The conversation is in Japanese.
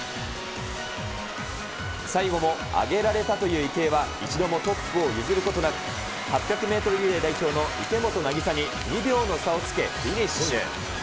最後も上げられたという池江は、一度もトップを譲ることなく、８００メートルリレー代表の池本凪沙に２秒の差をつけフィニッシュ。